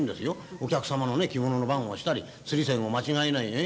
お客様のね着物の番をしたり釣り銭を間違えないようにね」。